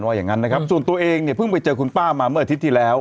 อย่างงั้นนะครับส่วนตัวเองเนี่ยเพิ่งไปเจอคุณป้ามาเมื่ออาทิตย์ที่แล้ว